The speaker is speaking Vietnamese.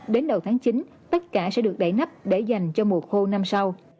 đến đầu tháng chín tất cả sẽ được đẩy nắp để dành cho mùa khô năm sau